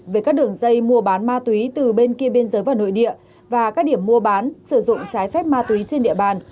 về các đường dây mua bán ma túy từ bên kia biên giới vào nội địa và các điểm mua bán sử dụng trái phép ma túy trên địa bàn